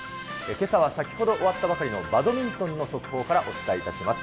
けさは先ほど終わったばかりのバドミントンの速報からお伝えいたします。